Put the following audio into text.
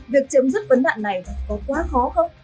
việc chấm dứt vấn đạn này có quá khó không